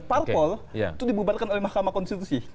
parpol itu dibubarkan oleh mahkamah konstitusi